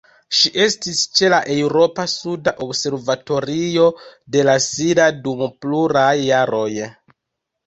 Ŝi estis ĉe la Eŭropa suda observatorio de La Silla dum pluraj jaroj.